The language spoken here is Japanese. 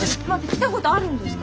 来たことあるんですか？